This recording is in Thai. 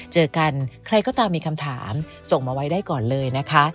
เจอกันใครก็ตามมีคำถามส่งมาไว้ได้ก่อนเลยนะคะ